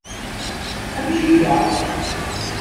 Amek iga?